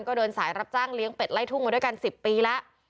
ก็เดินสายรับจ้างเลี้ยงเป็ดไล่ทุ่งมาด้วยกัน๑๐ปีแล้ว